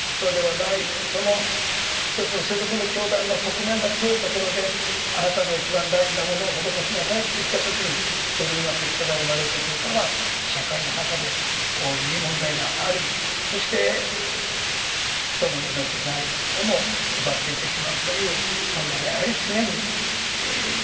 その一つの世俗の教団の側面が強いところであなたの一番大事なものを施しなさいといった時にどのような結果が生まれてくるかは社会の中で大いに問題がありそして人の命財をも奪っていってしまうという問題がやはり常に起きてくる。